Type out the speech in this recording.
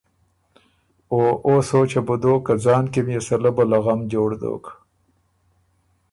او او سوچه بو دوک که ځان کی ميې سلۀ بلۀ غم جوړ دوک۔